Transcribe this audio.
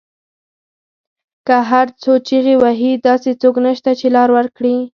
که هر څو چیغې وهي داسې څوک نشته، چې لار ورکړی